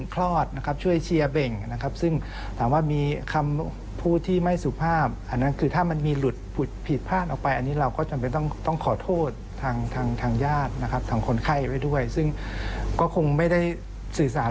ของคนไข้ไปด้วยซึ่งก็คงไม่ได้สื่อสาร